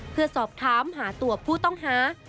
เพื่อสอบถามหาตัวผู้ต้องหา